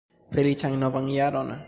Feliĉan novan jaron!